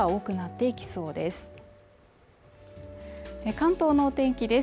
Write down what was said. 関東のお天気です